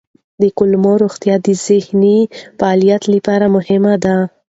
د کولمو روغتیا د ذهني فعالیت لپاره مهمه ده.